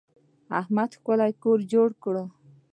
احمد ښکلی کور جوړ کړی.